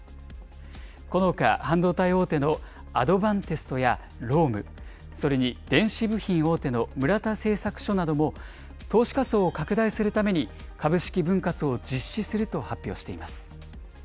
このほか、半導体大手のアドバンテストやローム、それに電子部品大手の村田製作所なども、投資家層を拡大するために株式分割を実施すると発表しています。